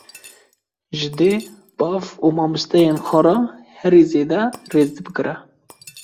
Ji dê, bav û mamosteyên xwe re herî zêde rêz bigre